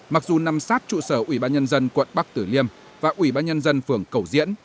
mặc dù nằm sát trụ sở ủy ban nhân dân quận bắc tử liêm và ủy ban nhân dân phường cầu diễn